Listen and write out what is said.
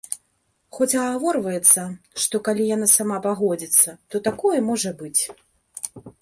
Хоць агаворваецца, што калі яна сама пагодзіцца, то такое можа быць.